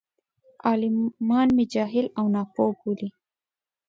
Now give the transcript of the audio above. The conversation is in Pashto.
عالمان مې جاهل او ناپوه بولي.